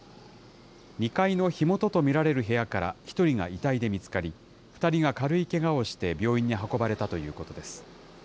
２階の火元とみられる部屋から１人が遺体で見つかり、２人が軽いけがをして、病院に運ばれたということです。